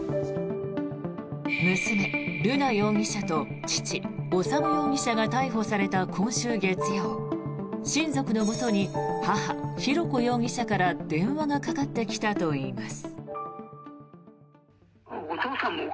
娘・瑠奈容疑者と父・修容疑者が逮捕された今週月曜親族のもとに母・浩子容疑者から電話がかかってきたといいます。